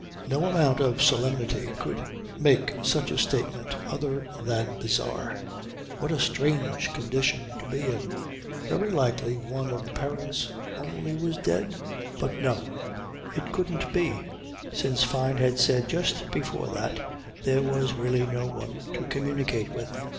No amount of solemnity could make such a statement other than bizarre. What a strange condition to be in. Very likely one of the parents only was dead? But no; it couldn't be, since Fyne had said just before that "there was really no one" to communicate with.